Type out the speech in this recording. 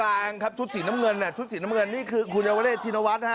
ถ้าใครจำไม่ได้ตรงกลางชุดศีลน้ำเงินนี่คือคุณเยลวะเรดชินวัด